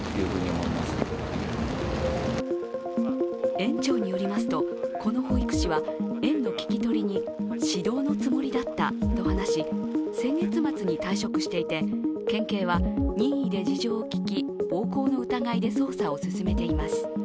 園長によりますとこの保育士は園の聞き取りに指導のつもりだったと話し先月末に退職していて、県警は任意で事情を聞き、暴行の疑いで捜査を進めています。